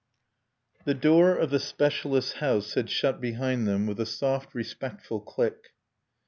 XV The door of the specialist's house had shut behind them with a soft, respectful click.